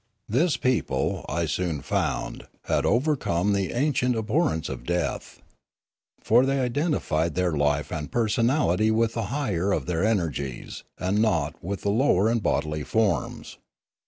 This people, I soon found, had overcome the ancient abhorrence of death. For they identified their life and personality with the higher of their energies, and not with the lower and bodily forms.